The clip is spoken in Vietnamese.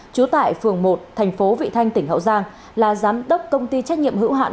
trú tại phường một thành phố vị thanh tỉnh hậu giang là giám đốc công ty trách nhiệm hữu hạn